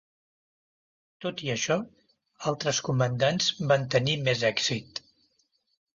Tot i això, altres comandants van tenir més èxit.